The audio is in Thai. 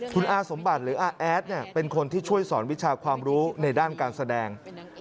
คุณอาสมบัติหรืออาแอดเป็นคนที่ช่วยสอนวิชาความรู้ในด้านการแสดง